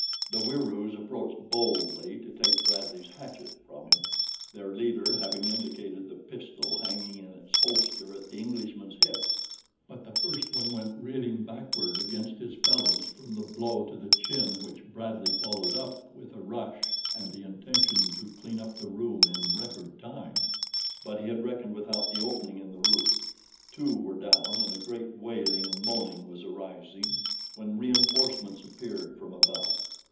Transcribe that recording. The Wieroos approached boldly to take Bradley's "hatchet" from him, their leader having indicated the pistol hanging in its holster at the Englishman's hip, but the first one went reeling backward against his fellows from the blow to the chin which Bradley followed up with a rush and the intention to clean up the room in record time; but he had reckoned without the opening in the roof. Two were down and a great wailing and moaning was arising when reinforcements appeared from above.